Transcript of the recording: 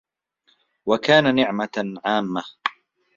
وَكَانَ نِعْمَةً عَامَّةً